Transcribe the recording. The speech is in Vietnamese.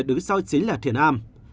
đó chính là thiền am